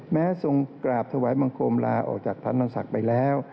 แม้ทรงกราบถวายมังโคมลาออกจากฐานตราศักดิ์ไปแล้ว